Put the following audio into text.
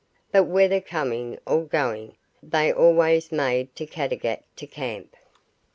But whether coming or going they always made to Caddagat to camp.